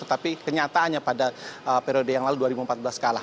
tetapi kenyataannya pada periode yang lalu dua ribu empat belas kalah